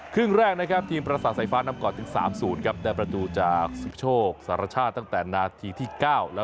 ครึ่งแรกนะครับทีมปราศาสตร์ไฟฟ้านำก่อนถึงสามศูนย์ครับได้ประตูจากสุภาชโชคสรรชาติตั้งแต่นาทีที่เก้า